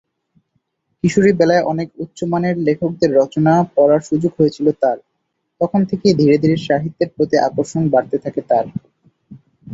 কিশোরীবেলায় অনেক উচ্চমানের লেখকদের রচনা পড়ার সুযোগ হয়েছিল তাঁর; তখন থেকেই ধীরে ধীরে সাহিত্যের প্রতি আকর্ষণ বাড়তে থাকে তাঁর।